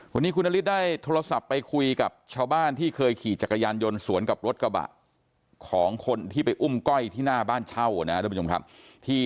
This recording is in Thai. แบบนี้คุณเกิดแล้วริได้โทรศัพท์ไปคุยกับชาวบ้านที่เคยขี่จักรยานยนต์สวนกับรถกระเป๋าของคนที่ไปอุ้มก้อยที่หน้าบ้านเช่านะจริงครับที่